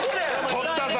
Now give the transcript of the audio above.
取ったぞ。